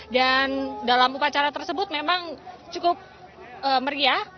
dan dalam upacara tersebut memang cukup meriah